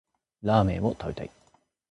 ラーメンを食べたい。